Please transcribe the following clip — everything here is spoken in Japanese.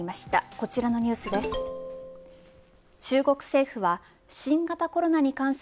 こちらのニュースです。